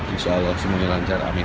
insya allah semuanya lancar amin